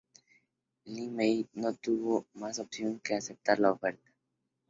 Li Mei no tuvo más opción que aceptar la oferta.